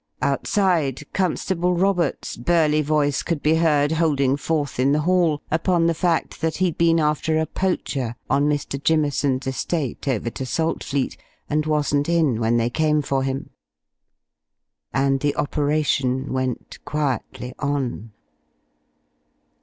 Outside, Constable Roberts's burly voice could be heard holding forth in the hall upon the fact that he'd been after a poacher on Mr. Jimmeson's estate over to Saltfleet, and wasn't in when they came for him. And the operation went quietly on....